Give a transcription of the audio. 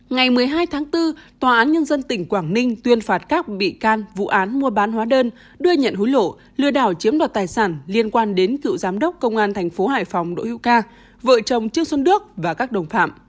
ngày một mươi hai tháng bốn tòa án nhân dân tỉnh quảng ninh tuyên phạt các bị can vụ án mua bán hóa đơn đưa nhận hối lộ lừa đảo chiếm đoạt tài sản liên quan đến cựu giám đốc công an thành phố hải phòng đỗ hiu ca vợ chồng trương xuân đức và các đồng phạm